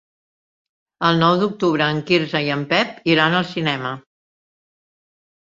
El nou d'octubre en Quirze i en Pep iran al cinema.